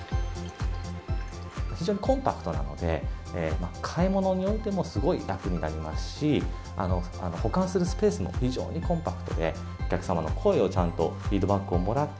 非常にコンパクトなので、買い物においてもすごい楽になりますし、保管するスペースも非常にコンパクトで、お客様の声をちゃんとフィードバックをもらって、